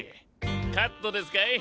カットですかい？